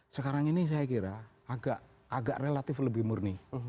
sekarang ini saya kira agak relatif lebih murni